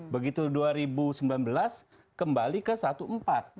begitu dua ribu sembilan belas kembali ke satu empat